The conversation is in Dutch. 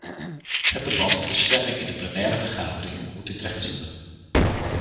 Het debat en de stemming in de plenaire vergadering moet dit rechtzetten.